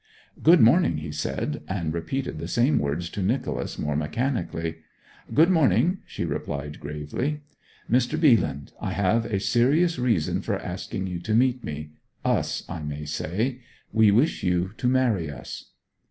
'Good morning,' he said; and repeated the same words to Nicholas more mechanically. 'Good morning,' she replied gravely. 'Mr. Bealand, I have a serious reason for asking you to meet me us, I may say. We wish you to marry us.'